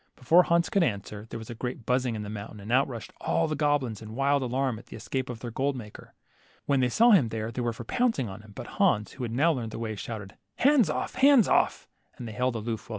Before Hans could answer, there was a great buzzing in the moun tain, and out rushed all the goblins in wild alarm at the escape of their gold maker. When they saw him they were for pouncing upon him, but Hans, who had now learned the way, shouted, Hands off, hands off